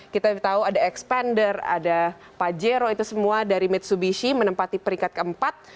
kita tahu ada expander ada pajero itu semua dari mitsubishi menempati peringkat keempat